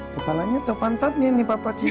kepalanya tuh pantat nih nih papa cium ini